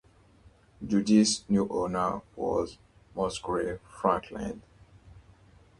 Judy's new owner was Musgrave Frankland.